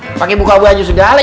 nah pakai buka buah juga lah